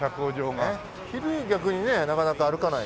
昼逆にねなかなか歩かない。